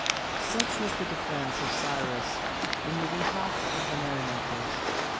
Such was the defence of Cyrus in behalf of the merrymakers.